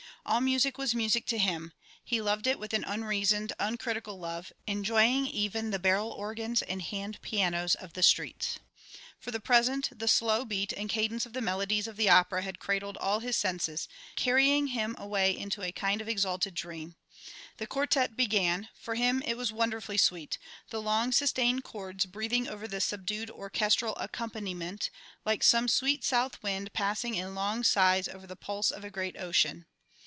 All music was music to him; he loved it with an unreasoned, uncritical love, enjoying even the barrel organs and hand pianos of the streets. For the present the slow beat and cadence of the melodies of the opera had cradled all his senses, carrying him away into a kind of exalted dream. The quartet began; for him it was wonderfully sweet, the long sustained chords breathing over the subdued orchestral accompaniment, like some sweet south wind passing in long sighs over the pulse of a great ocean.